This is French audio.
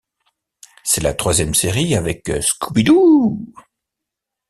C'est la troisième série avec Scooby-Doo.